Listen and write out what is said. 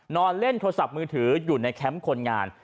นอนเล่นโทรศัพท์มือถืออยู่ในแคมป์คนงาน